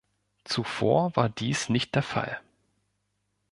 Zuvor war dies nicht der Fall.